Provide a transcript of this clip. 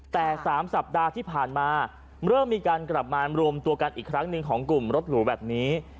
แต่๓สัปดาห์ที่ผ่านมาเริ่มมีการกลับมารวมตัวกันอีกครั้งหนึ่งของกลุ่มรถหรูแบบนี้